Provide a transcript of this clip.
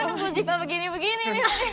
gue nunggu ziva begini begini